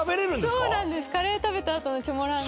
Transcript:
そうなんです。